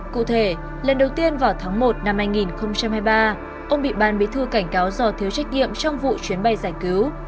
cụ thể lần đầu tiên vào tháng một năm hai nghìn hai mươi ba ông bị ban bí thư cảnh cáo do thiếu trách nhiệm trong vụ chuyến bay giải cứu